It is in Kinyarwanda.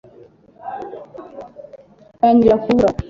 yanyerera ku rubura